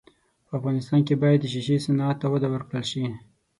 په افغانستان کې باید د ښیښې صنعت ته وده ورکړل سي.